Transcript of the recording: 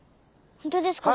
本当ですか？